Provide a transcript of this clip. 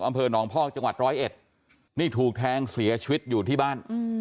อำเภอหนองพอกจังหวัดร้อยเอ็ดนี่ถูกแทงเสียชีวิตอยู่ที่บ้าน